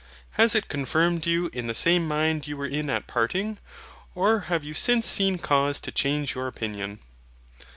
Has it confirmed you in the same mind you were in at parting? or have you since seen cause to change your opinion?